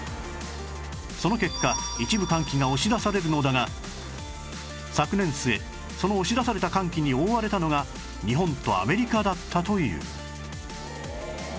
その結果一部寒気が押し出されるのだが昨年末その押し出された寒気に覆われたのが日本とアメリカだったという